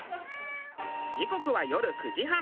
時刻は夜９時半。